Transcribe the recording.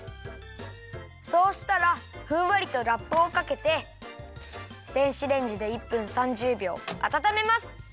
そうしたらふんわりとラップをかけて電子レンジで１分３０秒あたためます。